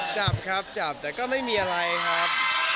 จับครับจับแต่ก็ไม่มีอะไรครับ